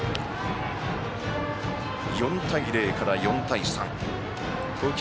４対０から４対３。投球